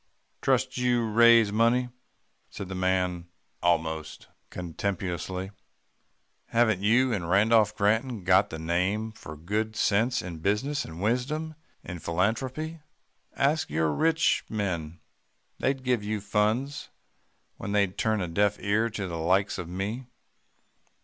"'Trust you to raise money,' said the man almost contemptuously. 'Haven't you and Rudolph Granton got the name for good sense in business, and wisdom in philanthropy ask your fellow rich men. They'd give you funds, when they'd turn a deaf ear to the likes of me.